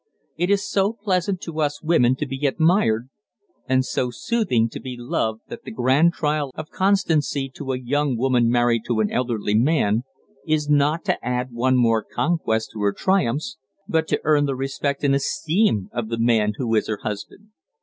It is so pleasant to us women to be admired, and so soothing to be loved that the grand trial of constancy to a young woman married to an elderly man is not to add one more conquest to her triumphs, but to earn the respect and esteem of the man who is her husband.